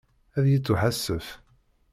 Ad yettuḥasef.